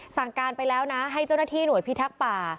สั่งการไปแล้วนะให้เจ้าหน้าที่หน่วยพิทักษ์ป่า